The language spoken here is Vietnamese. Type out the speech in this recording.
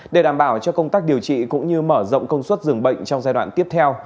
để đảm bảo cho công tác điều trị cũng như mở rộng công suất dường bệnh trong giai đoạn tiếp theo